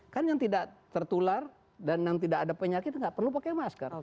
kan yang tidak tertular dan yang tidak ada penyakit nggak perlu pakai masker